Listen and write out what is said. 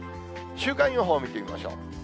週間予報を見てみましょう。